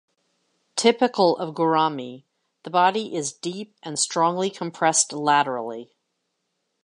Typical of gourami, the body is deep and strongly compressed laterally.